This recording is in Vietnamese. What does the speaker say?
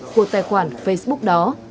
của tài khoản facebook đó